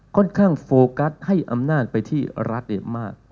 ค่อนข้างโฟกัสให้อำนาจไปที่รัฐมาก